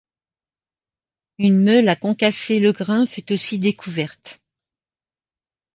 Une meule à concasser le grain fut aussi découverte.